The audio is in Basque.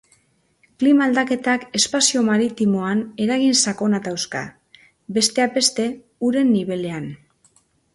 Klima aldaketak espazio maritimoan eragin sakonak dauzka, besteak beste uren nibelean.